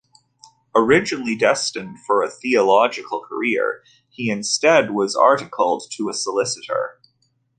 Originally destined for a theological career, he instead was articled to a solicitor.